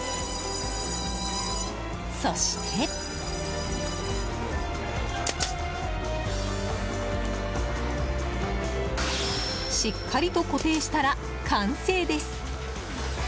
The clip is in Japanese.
そしてしっかりと固定したら完成です。